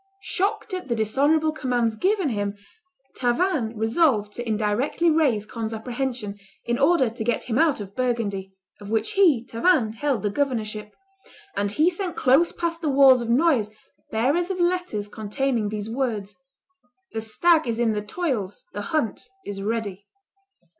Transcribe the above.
Shocked at the dishonorable commands given him, Tavannes resolved to indirectly raise Conde's apprehensions, in order to get him out of Burgundy, of which he, Tavannes, held the governorship; and he sent close past the walls of Noyers bearers of letters containing these words: "The stag is in the toils; the hunt is ready."